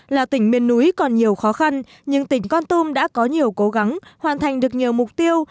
là tỉnh miền núi còn nhiều khó khăn nhưng tỉnh con tum đã có nhiều cố gắng hoàn thành được nhiều mục tiêu